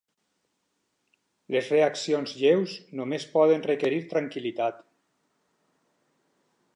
Les reaccions lleus només poden requerir tranquil·litat.